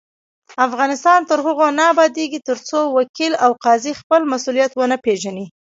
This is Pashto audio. افغانستان تر هغو نه ابادیږي، ترڅو وکیل او قاضي خپل مسؤلیت ونه پیژني.